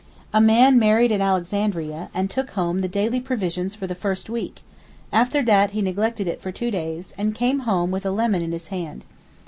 A man married at Alexandria, and took home the daily provisions for the first week; after that he neglected it for two days, and came home with a lemon in his hand.